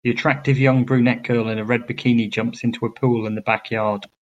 The attractive young brunette girl in a red bikini jumps into a pool in the backyard.